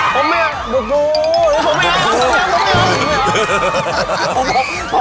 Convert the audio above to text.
ผมไม่รู้ดูผมไม่รู้